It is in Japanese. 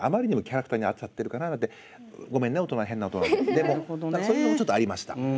でもそういうのもちょっとありました。